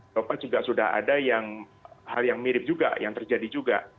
eropa juga sudah ada yang hal yang mirip juga yang terjadi juga